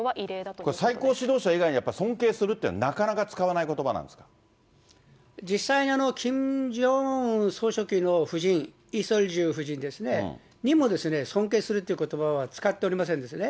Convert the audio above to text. これ、最高指導者以外にはやっぱ尊敬するっていうのはなかな実際に、キム・ジョンウン総書記の夫人、リ・ソルジュ夫人にも、尊敬するということばは使っておりませんですね。